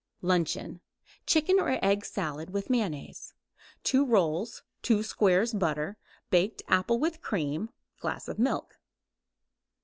LUNCHEON Chicken or egg salad with mayonnaise; 2 rolls; 2 squares butter; baked apple with cream; glass of milk.